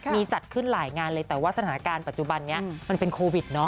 มีจัดขึ้นหลายงานเลยแต่ว่าสถานการณ์ปัจจุบันนี้มันเป็นโควิดเนาะ